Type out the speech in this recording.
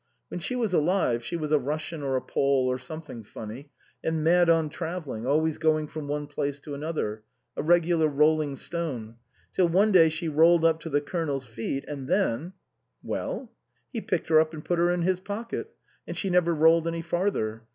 When she was alive she was a Russian or a Pole or something funny, and mad on travelling, always going from one place to another a regular rolling stone ; till one day she rolled up to the Colonel's feet, and then "" Well ?"" He picked her up and put her in his pocket, and she never rolled any further.